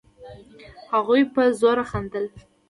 هغوی په زوره خندل.